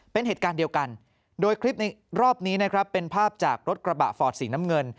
เป็นเหตุการณ์เดียวกันโดยคลิปในรอบนี้นะครับเป็นภาพจากรถกระบะฟอร์ดสีน้ำเงิน